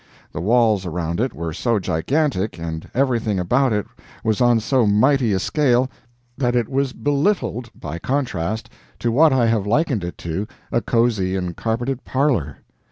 The walls around it were so gigantic, and everything about it was on so mighty a scale that it was belittled, by contrast, to what I have likened it to a cozy and carpeted parlor.